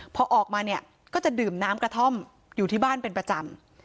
พอออกมาเนี่ยก็จะดื่มน้ำกระท่อมอยู่ที่บ้านเป็นประจำ